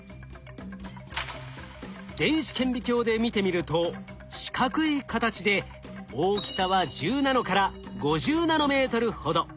電子顕微鏡で見てみると四角い形で大きさは１０ナノから５０ナノメートルほど。